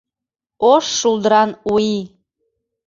ОШ ШУЛДЫРАН У ИЙ